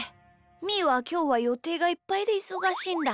みーはきょうはよていがいっぱいでいそがしいんだ。